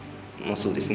そうですね。